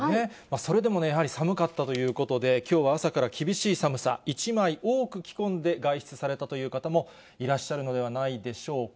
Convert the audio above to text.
それでもね、やはり寒かったということで、きょうは朝から厳しい寒さ、１枚多く着込んで、外出されたという方もいらっしゃるのではないでしょうか。